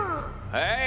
はい。